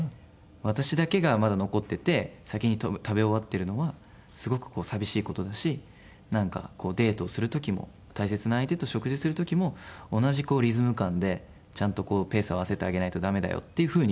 「私だけがまだ残ってて先に食べ終わってるのはすごく寂しい事だしなんかデートをする時も大切な相手と食事する時も同じリズム感でちゃんとペースを合わせてあげないとダメだよ」っていう風に言われて。